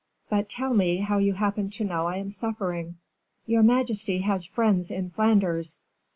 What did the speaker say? "But tell me how you happen to know I am suffering?" "Your majesty has friends in Flanders."